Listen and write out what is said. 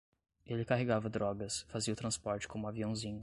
Ele carregava drogas, fazia o transporte como aviãozinho